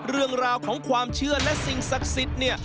เรื่องราวของความเชื่อและสิ่งศักดิ์สิทธิ์เนี่ย